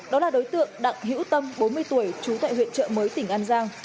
đó là đối tượng đặng hữu tâm bốn mươi tuổi chú tại huyện kỳ sơn